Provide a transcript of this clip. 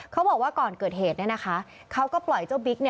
เขาบอกว่าก่อนเกิดเหตุเนี่ยนะคะเขาก็ปล่อยเจ้าบิ๊ก